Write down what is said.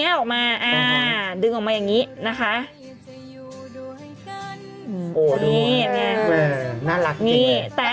โอเคโอเคโอเค